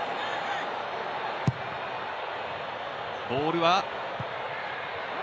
ボールは。